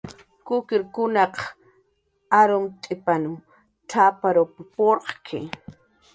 "Kukirkunaq arumt'ipan cx""app""w purqki"